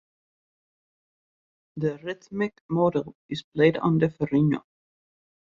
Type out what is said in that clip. The rhythmic model is played on the "ferrinho".